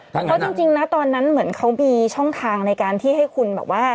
เพราะจริงนะตอนนั้นเหมือนเขามีช่องทางในการที่ให้คุณแบบว่า